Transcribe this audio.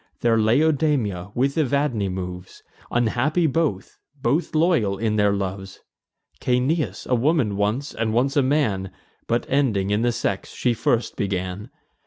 There Laodamia, with Evadne, moves, Unhappy both, but loyal in their loves: Caeneus, a woman once, and once a man, But ending in the sex she first began.